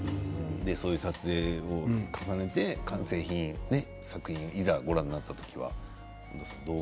そういう撮影を重ねて完成品をいざご覧になった時は？